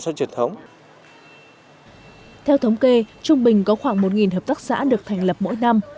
sau truyền thống theo thống kê trung bình có khoảng một hợp tác xã được thành lập mỗi năm